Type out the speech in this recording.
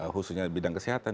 khususnya bidang kesehatan